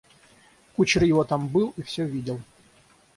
Кучер его там был и всё видел.